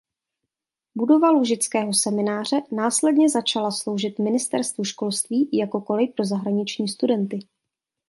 Budova Lužického semináře následně začala sloužit Ministerstvu školství jako kolej pro zahraniční studenty.